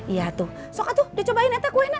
iya tuh sok itu dicobain ya teh kue nak